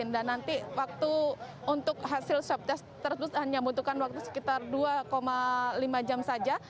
dan nanti waktu untuk hasil swab test tersebut hanya butuhkan waktu sekitar dua lima jam saja